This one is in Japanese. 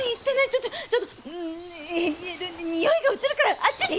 ちょっとちょっと臭いが移るからあっちに行って！